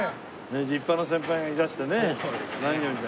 立派な先輩がいらしてね何よりだよね。